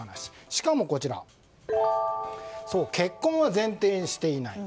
しかも、結婚は前提にしていない。